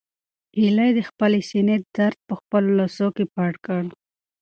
هیلې د خپلې سېنې درد په خپلو لاسو کې پټ کړ.